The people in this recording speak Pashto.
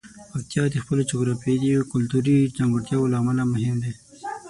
پکتیا د خپلو جغرافیايي او کلتوري ځانګړتیاوو له امله مهم دی.